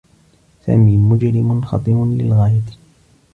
سامي مجرم خطير للغاية.